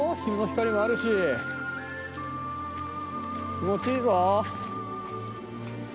気持ちいいぞ！